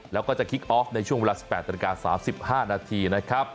แล้วก็จะคิกออฟในช่วงเวลา๑๘นาฬิกา๓๕นาทีนะครับ